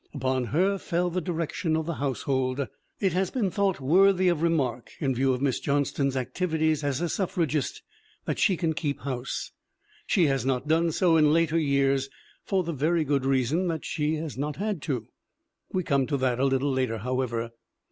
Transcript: Upon her fell the direction of the household. It has been thought worthy of re mark, in view of Miss Johnston's activities as a suf fragist, that she can keep house. She has not done so in later years for the very good reason that she has not had to. We come to that a little later, however.